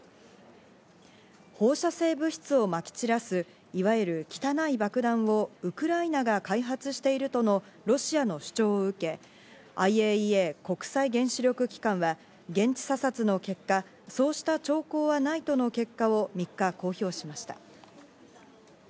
放射性物質をまき散らす、いわゆる「汚い爆弾」をウクライナが開発しているとのロシアの主張を受け、ＩＡＥＡ＝国際原子力機関は、現地査察の結果、そうした兆候はないとの結果を３日、公表しました。